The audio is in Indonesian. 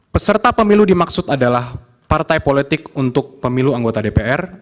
peserta pemilu dimaksud adalah partai politik untuk pemilu anggota dpr